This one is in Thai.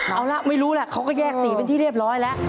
เอาล่ะไม่รู้แหละเขาก็แยก๔เป็นที่เรียบร้อยแล้ว